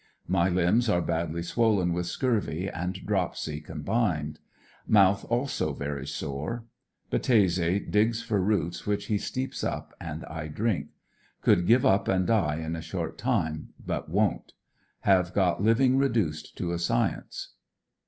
My limbs are badly swollen with scurvy and dropsy combined. Mouth also very sore. Battese digs for roots which he steeps up and I drink. Could give up and die in a short time but won't. Have got living reduced to a science.